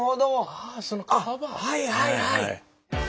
あっはいはいはい。